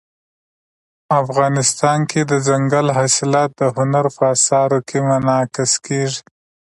افغانستان کې دځنګل حاصلات د هنر په اثار کې منعکس کېږي.